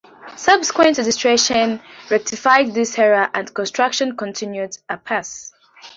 Subsequent legislation rectified this error and construction continued apace.